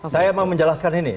saya mau menjelaskan ini